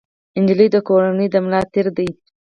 نجلۍ د کورنۍ د ملا تیر دی.